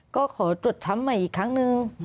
ก็ขอตรวจทำใหม่อีกครั้งหนึ่ง